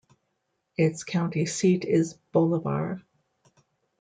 Its county seat is Bolivar.